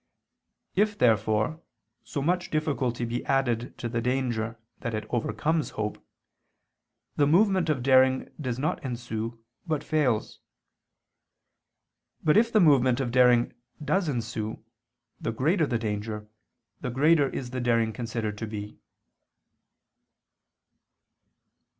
If, therefore, so much difficulty be added to the danger that it overcomes hope, the movement of daring does not ensue, but fails. But if the movement of daring does ensue, the greater the danger, the greater is the daring considered to be.